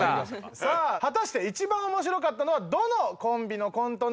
さあ果たして一番面白かったのはどのコンビのコントなのか？